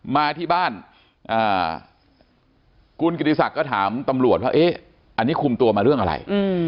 มาที่บ้านคุณกิติศักดิ์ก็ถามตำรวจว่าเอ๊ะอันนี้คุมตัวมาเรื่องอะไร